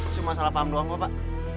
cuma salah paham doang kok pak